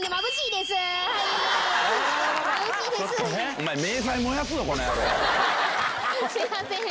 すみません。